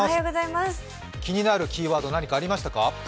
気になるキーワード、何かありましたか？